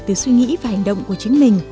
từ suy nghĩ và hành động của chính mình